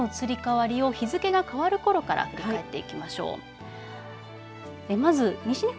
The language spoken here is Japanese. さあでは天気の移り変わりを日付が変わるころから振り返っていきましょう。